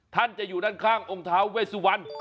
ท่านจะอยู่ด้านข้างองค์ท้าเวสุวรรณ